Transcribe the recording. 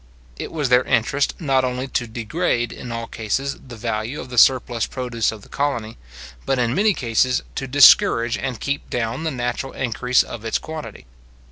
It was their interest not only to degrade in all cases the value of the surplus produce of the colony, but in many cases to discourage and keep down the natural increase of its quantity.